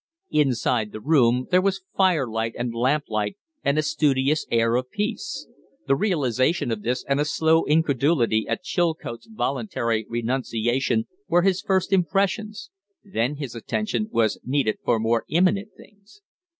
Inside the room there was firelight and lamplight and a studious air of peace. The realization of this and a slow incredulity at Chilcote's voluntary renunciation were his first impressions; then his attention was needed for more imminent things.